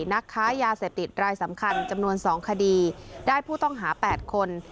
นักค้ายาเสพติดรายสำคัญจำนวน๒คดีได้ผู้ต้องหา๘คน